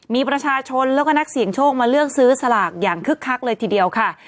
มีประชาชนแล้วก็นักเสี่ยงโชคมาเลือกซื้อสลากอย่างคึกคักเลยทีเดียวค่ะ